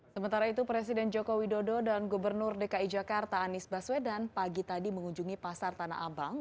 sementara itu presiden joko widodo dan gubernur dki jakarta anies baswedan pagi tadi mengunjungi pasar tanah abang